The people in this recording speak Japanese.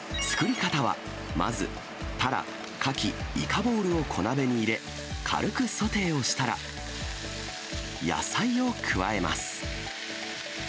作り方は、まずタラ、カキ、イカボールを小鍋に入れ、軽くソテーをしたら、野菜を加えます。